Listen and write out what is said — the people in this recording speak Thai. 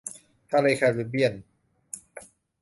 ทะเลแคริบเบียน